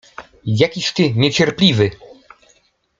— Jakiś ty niecierpliwy!